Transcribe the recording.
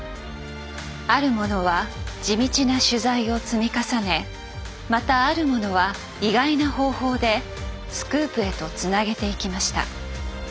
ある者は地道な取材を積み重ねまたある者は意外な方法でスクープへとつなげていきました。